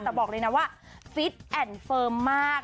แต่บอกเลยนะว่าฟิตแอนด์เฟิร์มมาก